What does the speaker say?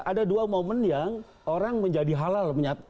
ada dua momen yang orang menjadi halal